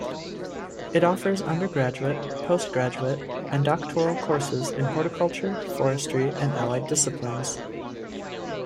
It offers undergraduate, postgraduate and doctoral courses in horticulture, forestry and allied disciplines.